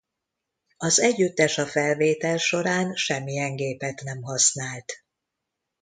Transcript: Az együttes a felvétel során semmilyen gépet nem használt.